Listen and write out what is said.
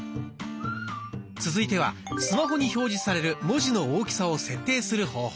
続いてはスマホに表示される文字の大きさを設定する方法。